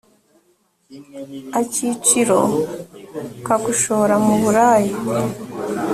akiciro ka gushora mu buraya